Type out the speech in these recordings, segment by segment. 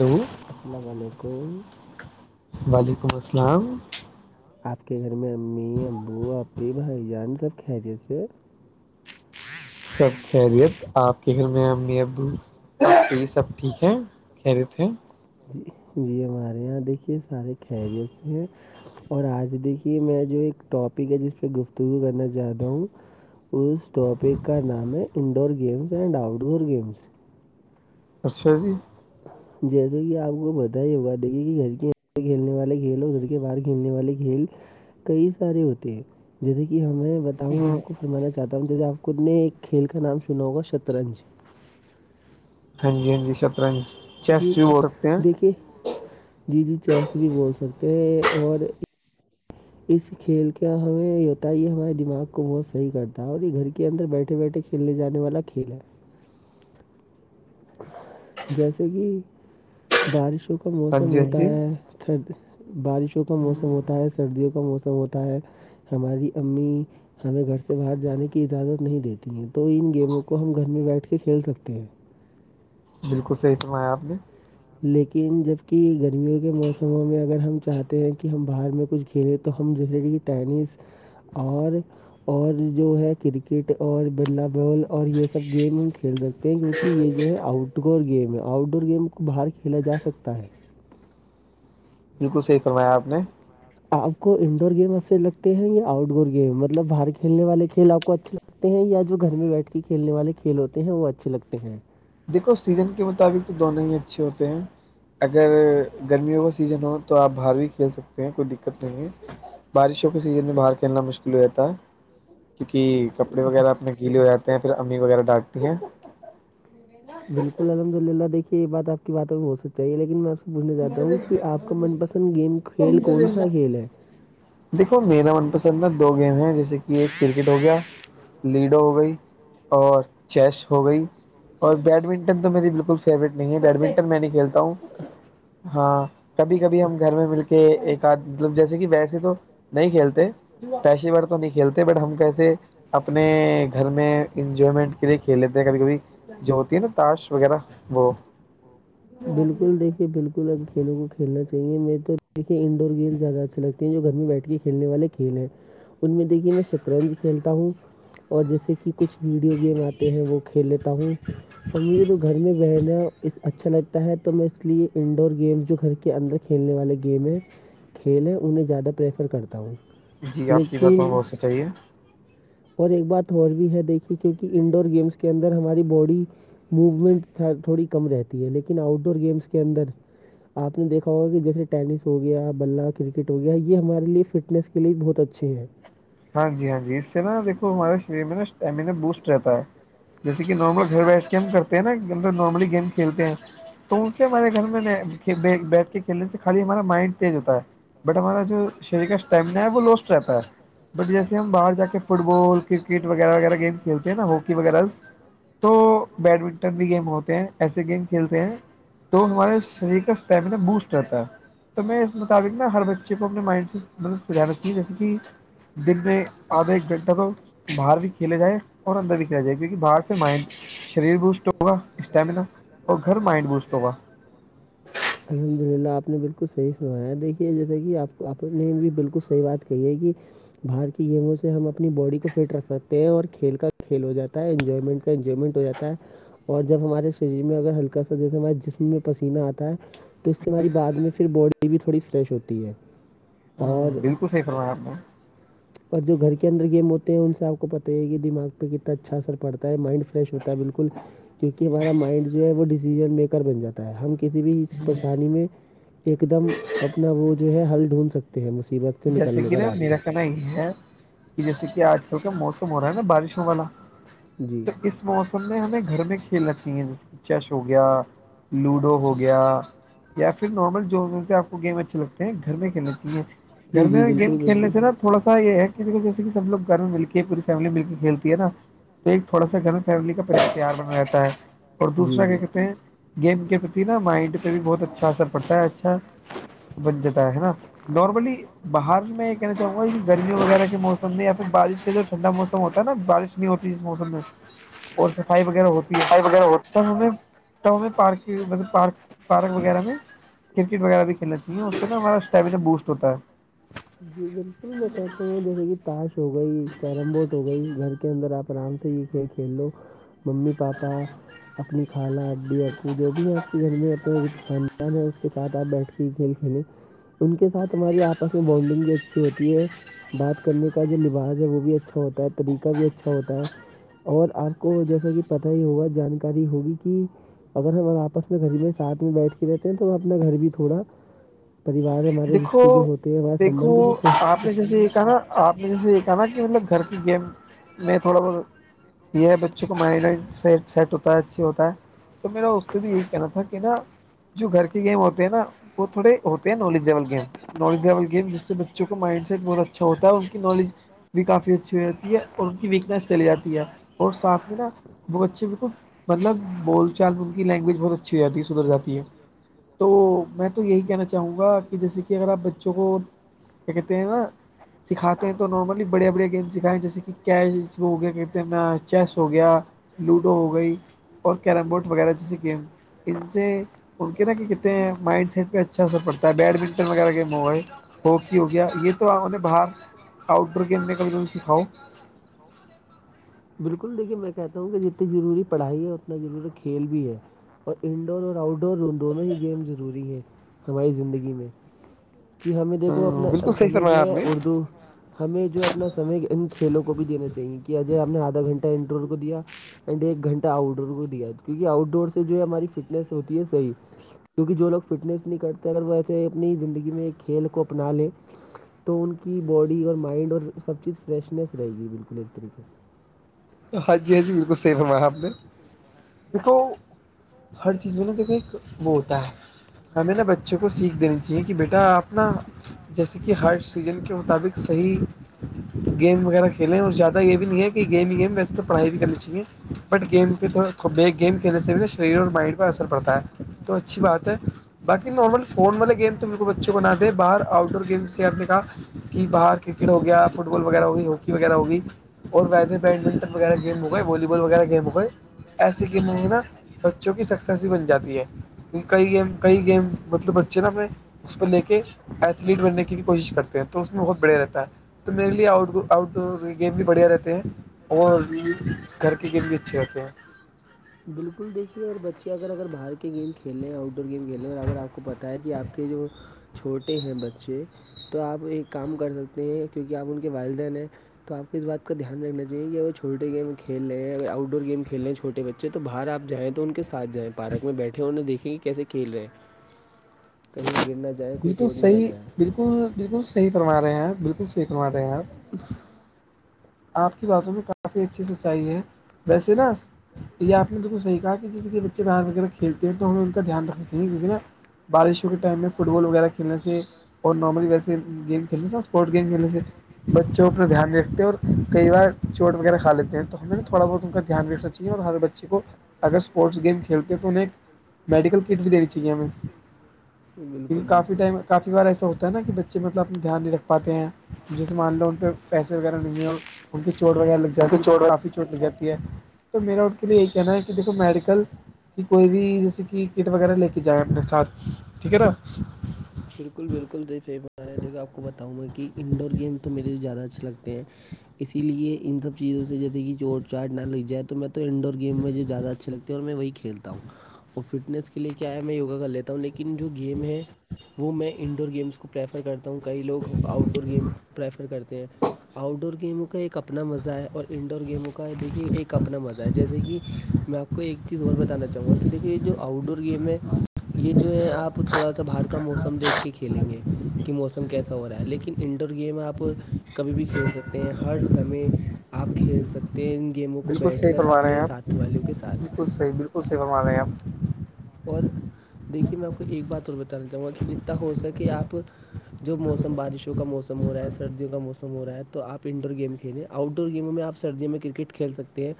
hello السلام علیکم وعلیکم السلام آپ کے گھر میں امی ابو اپکے بھائی جان سب خیریت سے ہیں سب خیریت آپ کے گھر میں امی ابو یہ سب ٹھیک ہے خیریت ہیں جی جی ہمارے یہاں دیکھیے سارے خیریت سے ہیں اور آج دیکھیے میں جو ایک ٹاپک اس پہ گفتگو کرنا چاہتا ہوں اس ٹاپک کا نام ہے indoor games and outdoor games اچھا جی جیسے کہ آپ کو پتا ہی ہوگا دیکھیے کہ گھر کے کھیلنے والے کھیل اور گھر کے باہر کھیلنے والے کھیل کئی سارے ہوتے ہیں جیسے کہ ہمیں ہوں میں آپ کو فرمانا چاہتا ہوں جیسے آپ خود نے ایک کھیل کا نام سنا ہوگا شطرنج ہاں جی ہاں جی شطرنج چیس جی بھی بول سکتے ہیں دیکھیے جی جی چیس بھی بول سکتے ہیں اور اس کھیل کا ہمیں ہوتا ہے یہ ہمارے دماغ کو بہت صحیح کرتا ہے اور یہ گھر کے اندر بیٹھے بیٹھے کھیلنے جانے والا کھیل ہے جیسے کہ بارشوں کا ہاں موسم جی ہاں ہوتا جی ہے تب بارشوں کا موسم ہوتا ہے سردیوں کا موسم ہوتا ہے ہماری امی ہمیں گھر سے باہر جانے کی اجازت نہیں دیتی ہیں تو ان گیموں کو ہم گھر میں بیٹھ کے کھیل سکتے ہیں بالکل صحیح فرمایا آپ نے لیکن جب کی گرمیوں کے موسموں میں اگر ہم چاہتے تے ہیں کہ ہم باہر میں کچھ کھیلیں تو ہم جیسے کہ ٹینس اور اور جو ہے کرکٹ اور بلاہ بال اور یہ سب گیم کھیل سکتے ہیں کیونکہ یہ جو ہے آؤٹ ڈور گیم ہے آؤٹ ڈور گیم باہر کھیلا جا سکتا ہے بالکل صحیح فرمایا آپ نے آپ کو انڈور گیم اچھا لگتا ہیں یا آؤٹ ڈور گیم مطلب باہر کھیلنے والے کھیل آپ کو اچھے ل لگتے ہیں یا جو گھر میں بیٹھ کے کھیلنے والے کھیل ہوتے ہیں وہ اچھے لگتے ہیں دیکھو صحت کے مطابق تو دونوں ہی اچھے ہوتے ہیں اگر گرمیوں کا سیزن ہو تو آپ باہر بھی کھیل سکتے ہیں کوئی دقت نہیں ہے بارشوں کے سیزن میں باہر کھیلنا مشکل ہو جاتا ہے کیونکہ کپڑے وغیرہ میں گیلے ہوجاتے ہیں پھر امی وغیرہ ڈانٹتی ہیں بالکل الحمد للہ دیکھے یہ بات کی باتوں بھی ہو چکی ہے لیکن میں بولنا چاہتا ہوں کہ آپ کا من پسند گیم کھیل کون سا کھیل ہے دیکھو میرا من پسند دو گیم ہے جیسے کہ ایک کرکٹ ہو گیا لیڈو ہو گئی اور چیس ہو گئی اور بیڈمنٹن تو میری بالکل فیوریٹ نہیں ہے بیڈمنٹن میں نہیں کھیلتا ہوں ہاں کبھی کبھی ہم گھر میں مل کے ایک آدھ مطلب جیسے کہ ویسے تو نہیں کھیلتے پیشے ور تو نہیں کھیلتے بٹ ہم کیسے اپنے گھر میں انجوائمنٹ کے لیے کھیل لیتے ہیں کبھی کبھی جو ہوتی ہے نا تاش وغیرہ وہ بالکل دیکھیے بالکل اب کھیلوں کو کھیلنا تو یہ میکو دیک انڈور گیم زیادہ اچھے لگتے ہیں جو گھر میں بیٹھ کے کھیلنے والے کھیل ہیں ان میں دیکھیے میں شطرنج کھیلتا ہوں اور جیسے کہ کچھ ویڈیو گیم آتے ہیں وہ کھیل لیتا ہوں اور مجھے تو گھر میں رہنا اچھا لگتا کہے تو میں اس لیے انڈور گیم جو گھر کے اندر کھیلنے والے گیم ہے کھیل ہے انہیں زیادہ پریفر کرتا ہوں جی آپ کی دکان لیکن بہت سی چاہیے اور ایک بات اور بھی ہے دیکھیے کیونکہ انڈور گیمس کے اندر ہماری باڈی موومنٹ تھوڑی کم رہتی ہے لیکن آؤٹ ڈور گیمس کے اندر آپ نے دیکھا ہوگ کہ جیسے ٹینس ہو گیا بلہ کرکٹ ہو گیا یہ ہمارے لیے فٹنس کے لیے بہت اچھے ہے ہاں جی ہاں جی اس سے نا دیکھو ہمارے شریر میں نا اسٹیمنا بوسٹ رہتا ہے جیسے کہ نارمل گھر بیٹھ کے ہم کرتے ہیں نا نارملی گیم کھیلتے ہیں تو ان سے ہمارے گھر میں بیٹھ کے کھیلنے سے خالی ہمارا مائنڈ تیز ہوتا ہے بٹ ہمارا جو شریر کا اسٹمنااہے وہ لوسٹ رہتا ہے بٹ جیسے ہم باہر جا کے فٹ بال کرکٹ وغیرہ وغیرہ گیم کھیلتے ہیں نا ہاکی وغیرہ تو بیڈمنٹن بھی گیم ہوتے ہیں ایسے گیم کھیلتے ہیں تو ہمارے شریر کا اسٹیمناابوسٹ رہتا ہے تو میں اس مطابق نا ہر بچے کو اپنے مائنڈ سے مطلب سمجھانا چاہیے جیسے کہ دن میں آدھا ایک گھنٹہ تو باہر بھی کھیلا جائے اور اندر بھی کھیلا جائے کیونکہ باہر سے مائنڈ شریر بوسٹ ہوگا اسٹیمنا اور گھر مائنڈ بوسٹ ہوگا الحمد للہ آپ نے بالکل صحیح سنا ہے دیکھیے جیسا کہ آپ آپ نے بھی بالکل صحیح بات کہی ہے کہ باہر کی گیموں سے ہم اپنی باڈی کو فٹ رکھ سکتے ہیں اور کھیل کا کھیل ہو جاتا ہے انجوائمنٹ انجوائمنٹ ہو جاتا ہے اور جب ہمارے شریر میں اگر ہلکا سا جیسے ہمارے جسم میں پسینہ آتا ہے تو اس سے ہماری بعد میں پھر باڈی بھی تھوڑی فریش ہوتی ہے ہ اور بالکل صحیح فرمایا آپ نے اور جو گھر کے اندر گیم ہوتے ہیں ان سے آپ کو پتہ ہے کہ دماغ پہ کتنا اچھا اثر پڑتا ہے مائنڈ فریش بالکل کیونکہ ہمارا مائنڈ جو ہے وہ ڈیسیژن میکر بن جاتا ہے ہم کسی بھی پریشانی میں ایک دم اپنا وہ جو ہے ہل ڈھونڈ سکتے ہیں مصیبت سے جیسے نکلنے کہ کا نا راستہ میرا کہنا یہ ہے جیسے کہ آج کل کا موسم ہو رہا ہے نا بارشوں والا جی تو اس اس موسم میں ہمیں گھر میں کھیلنا چاہیے جیسے کہ چش ہو گیا لوڈو ہو گیا یا پھر نارمل جو سے آپ کو گیم اچھے لگتے ہیں گھر میں کھیلنا چاہیے گھر جی جی میں گیم بالکل کھیلنے بالکل سے نا تھوڑا سا یہ ہے کہ جیسے س لوگ گھر میں مل کے پوری فیملی مل کے کھیلتی ہے نا تو ایک تھوڑا سا گھر فیملی کا پ پیار بنا رہتا ہے اور جی دوسرا کیا کہتے ہیں گیم کے پرتی نا مائنڈ پہ بھی بہت اچھا اثر پڑتا ہے اچھا بن جاتا ہے نا نارملی باہر میں یہ کہنا چاہوں گا کہ گرمی وغیرہ کے موسم میں یا پھر بارش کا جو ٹھنڈا موسم ہوتا ہے نا بارش ہوتی اس موسم میں اور صفائی وغیرہ ہوتی ہے جی تب ہم ت ہمیں پارک مطلب پارک پارک وغیرہ میں کرکٹ وغیرہ بھی کھیلتی ہیں اس سے ہمارا اسٹیمینا بوسٹ ہوتا ہے جی بالکل میں کہتا ہوں جیسے کہ تاش ہو گئی کیرم بورڈ ہو گئی گھر کے اندر آپ آرام سے یہ کھیل کھیل لو ممی پاپا اپنی خالہ امی ابو جو بھی آپ کے گھر میں خاندان ہے اس کے ساتھ آپ بیٹھ کے کھیل کھیلیں ان کے ساتھ ہماری آپس میں بونڈنگ بھی اچھی ہوتی ہے بات کرنے کا جو لباس ہے وہ بھی اچھا ہوتا ہے طریقہ بھی اچھا ہوتا ہے اور آپ کو جیسا کہ پت ہی ہوگا جانکاری ہوگی کہ اگر ہم آپس میں گھر میں ساتھ میں بیٹھ کے رہتے ہیں تو ہم اپنا گھر بھی تھوڑا پریوار ہمارے رشتے جو ہوتے ہیں بس کو آپ نے جیسے ج یہ کہا نا آپ نے جیسے یہ کہا نا کہ مطلب گھر کی گیم میں تھوڑا بہت یہ ہے بچے کا مائنڈ سے سیٹ ہوتا ہے اچھی ہوتا ہے تو میرا اس سے بھی یہی کہنا تھا کہ نا جو گھر کی گیم وہ نا وہ تھوڑے ہوتے ہیں knowledgeable game knowledge level game جس سے بچوں کا مائنڈ سیٹ بہت اچھا ہوتا ہے ان کی نالج بھی کافی اچھی ہوتی ہے اور ان ساتھ مے نا وہ بچے بالکل مطلب بول چال ان کی لینگویج بہت اچھی ہو جاتی ہے سدھر جاتی ہے تو میں تو یہی کہنا چاہوں گا کہ جیسے کہ اگر آپ بچوں کو کیا کہتے ہیں نا سکھاتے ہیں تو نارملی بڑے بڑے گیم سکھائیں جیسے کہ کیچ ہو گیا کہتے ہیں نا چیس ہو گیا لوڈو ہو گئی اور کیرم بورڈ وغیرہ جیسے گیم ان سے ممکن کہ کتنے مائنڈ سی پہ اچھا اثر پڑتا ہے بیڈمنٹن وغیرہ گیم ہوا ہے ہاکی ہو گیا یہ تو ان نے باہر آؤٹ ڈور گیم میں کھی سکھاؤ بالکل دیکھیے میں کہتا ہوں کہ جتنی ضروری پڑھائی ہے اتنا ضوری کھیل بھی ہے اور ان ڈور اور آؤٹ ڈور دونوں ہی گیم ضروری ہیں ہماری زندگی میں کہ ہمیں دیکھو ہاں بالکل اپناس صحیح میں جو فرمایا آپ ہے نے اردو ہمیں جو اپنا سمے ان کھیلوں کو بھی دینا چاہیے کہ جے آپ نے آدھا گھنٹہ انٹر کو دیا اینڈ ڈور ایک گھنٹہ آؤٹ ڈور کو دیا کیونکہ آؤٹ ڈور سے جو ہے ہماری فٹنس ہوتی ہے صحیح کیونکہ جو لوگ فٹنس نہیں کرتے اگر وہ ایسے اپنی زندگی میں ایک کھیل کو اپنا لے تو ان کی باڈی اور مائنڈ اور سب چیز فریشنیس رہے گی بالکل ایک طریقے سے ہاں جی ہاں جی بالکل صیح فرمایا آپ نے دیکھو ہر چیز میں نا دیکھو ایک وہ ہوتا ہے ہمیں نہا بچوں کو سیکھ دینی چاہیے کہ بیٹا اپ نا جیسے کہ ہر سیزن کے مطابق صحیح تو گیم وغیرہ کھیلیں اور زیادہ یہ بھی نہیں ہے کہ گیم ہی گیم ویسے تو پڑھائی بھی کرنی چاہیے بٹ گیم پہ تھ گیم کھیلنے سے بھی نہا شریر اور مائنڈ پہ اثر پڑتا ہے تو اچھی بات ہے بقی نارمل فون والے گیم تو مرے بچوں کو بنا دیں باہر آؤٹ ڈور گیم سے آپ نے کہا کہ باہر کرکٹ ہو گیا فٹ بال وغیرہ ہو گئی ہاکی وغیرہ ہوگی اور ویسے بیڈمنٹن [unintelligible] ایسی گیموں میں نا بچوں کی سکسیس ہی بن جاتی ہے کل گیم کل گیم مطلب بچے نا ہمیں اس پہ لے کے ایتھلیٹ بننے کی بھی کوشش کرتے ہیں تو اس میں بہت بڑھیا رہتا ہے تو میرے لیے آٹ آؤٹ ڈور گیم بھی بڑھیا رہتے ہیں اور بھی سے گھر کے کیی بچے اتے ہے بالکل دیکھیے اور بچے اگر اگر باہر کے گیم کھیل اور آؤٹ ڈور گیم کھیلیں ہیں اور اگر آپ کو جی اپ کے جو چھوٹے ہیں بچے تو آپ ایک کام کر سکتے ہیں کیونکہ آپ ان کے والدین ہیں تو آپ کو یہ بات کا دھیان رنااہیے کہ اگر چھوٹے گیم کھیلے اور آؤٹ ڈور گیم کھیل رہ ہیں چھوے بچے اچ تو باہر آپ جائیں تو ان کے ساتھ جائیں پارک میں بیٹھے ہو انہیں دیکیںے کہ کیسے کھیل رہے ہیں کہیں وہ گر نہ جائیں کوئی بالکل چوٹ نہ لگ صحیح جائے بالکل بالکل صحیح فرما رہے ہیں آپ بالکل صحیح فرما رہے ہیں آپ ا آپ کی باتوں میں کافی اچھی سچائی ہے ویسے نا یہ آ پ نے صحیح کہا کسی کے بچے [unintelligible] وغیرہ کھیلتے ہے تو دھیان رکھنا پڑھتا ہے بارشوں کے ٹائم میں فٹ بال وغیرہ کھیلنے سے اور نارملی ویسے گیم کھیلنے سے اسپورٹس گیم کھیلنے سے بچوں پر دھیان رکھتے ہیں اور کئی بار چوٹ وغیرہ کھا لیتے ہے تو ہمیں تھوڑا بہت ان کا دھیان رکھنا چاہیے اور ہمارے بچے کو اگر اسپورٹس گیم کھیلتے تو انہیں ایک میڈیکل کٹ بھی دینی چاہیے ہمیں بالکل کیونکہ کافی بالکل ٹائم کافی بار ایسا ہوتا ہے نا کہ بچے مطلب اپنا دھیان نہیں رکھ پاتے ہیں جس مان لو ان پہ پسے وغیرہ نہیں اور ان چوٹ وغیرہ لگ ان کو جاتی ہے تو کافی چوٹ لگ جاتی ہے تو میرا ان کے لیے یہی کہنا ہے کہ دیکھو میڈیکل کہ کوئی بھی جیسے کہ کٹ وغیرہ لے کے جائیں اپنے ساتھ ٹھیک ہے نا بالکل بالکل [unintelligible] دیکھو آپ کو بتاؤں میں کہ انڈور گیم تو میرے زیادہ اچھے لگتے ہیں اسی لیے ان سب چیزوں سے جیسے کہ چوٹ چاٹ نہ لگ جائے تو میں تو انڈور گیم مجھے زیادہ اچھے لگتے اور میں وہی کھیلتا ہوں اور فٹنس کے لیے کیا ہے میں یوگا کر لیتا ہو لیکن جو گیم ہے وہ میں انڈور گیمس کو پریفر کرتا ہوں کئی لوگ آؤٹ ڈور گیم کو پریفر کرتے ہیں آؤٹ ڈور گیم کا ایک اپنا مزہ ہے اور انڈور گیموں کا دیکھیے ایک اپنا مزہ ہے جیسے کہ میں آپ کو ایک چیز اور بتانا چاہوں گا کہ دیکھیے یہ جو آؤٹ ڈور گیم ہے یہ جو ہے آپ تھوڑا سا باہر کا موسم دیکھ کے کھیلیں گے کہ موسم کیسا ہو رہا ہے لیکن انڈور گیم آپ کبھی بھی کھیل سکتے ہیں ہر سمے آپ کھیل سکتے ہیں ان گیموں کو بالکل بیٹھ صحیح کر فرما رہے اپنے ہیں آپ ساتھ والوں کے ساتھ بالکل [unintelligible] اور دیکھیے میں آپ کو ایک بات اور بتانا چاہوں گا کہ جتنا ہو سکے آپ جب موسم بارشوں کا موسم ہو رہا ہے سردیوں کا موسم ہو رہا ہے تو آپ ان ڈور گیم کھیلیے آؤٹ ڈور گیموں میں آپ سردیوں میں کرکٹ کھیل سکتے ہیں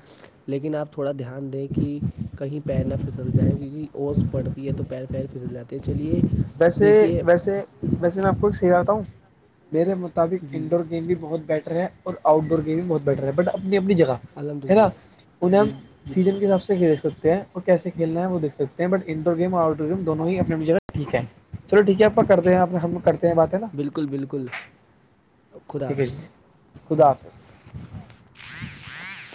لیکن آپ تھوڑا دھیان دیں کہ کہیں پیر نہ پھسل جائیں کیونکہ اوس پڑتی ہے تو پیر پیر پھسل جاتے ہیں چلیے ویسے دیکھیے ویسے ویسے میں آپ کو ایک سیھاتا ہوں میرے مطابق جی انڈور گیم بھی بہت بیٹر ہے اور آؤٹ ڈور گیم بھی بہت بیٹر ہے بٹ اپنی اپنی جگہ الحمد ہے ناں للہ انہیں ہم جی بالکل سیزن کے حساب سے کھیل سکتے ہیں اور کیسے کھیلنا ہے وہ دیکھ سکتے ہیں بٹ انڈور گیم اور آؤٹ ڈور گیم دونوں ہی اپنی جگہ ٹھیک ہے چلو ٹھیک ہے اپنا کرتے ہیں ہم کرتے ہیں بات ہے ناں بالکل بالکل خدا ٹھیک ہے جی حافظ خدا حافظ